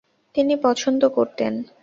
তিনি পছন্দ করতেন।